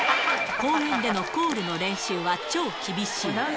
公園でのコールの練習は超厳しい。